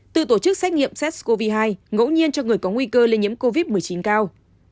từ tổ chức xét nghiệm sars cov hai ngẫu nhiên cho người có nguy cơ lây nhiễm covid một mươi chín cao